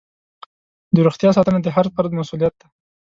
د روغتیا ساتنه د هر فرد مسؤلیت دی.